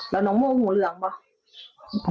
แล้วน้องโม่หูเหลืองป่ะ